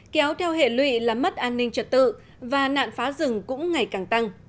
kéo theo hệ lụy làm mất an ninh trật tự và nạn phá rừng cũng ngày càng tăng